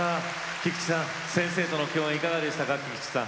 菊池さん先生との共演いかがでしたか？